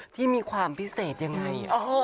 ที่มีความพิเศษยังไง